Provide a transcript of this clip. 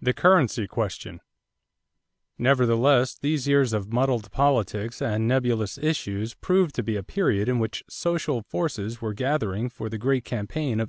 THE CURRENCY QUESTION Nevertheless these years of muddled politics and nebulous issues proved to be a period in which social forces were gathering for the great campaign of 1896.